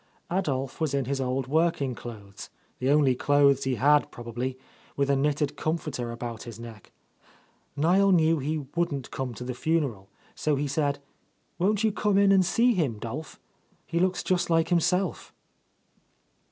Adolph was in his old working clothes, the only clothes he had, probably, with a knitted __I44_ A Lost Lady comforter about his neck. Niel knew he wouldn't come to the funeral, so he said: "Won't you come in and see him, 'Dolph? He looks just like himself.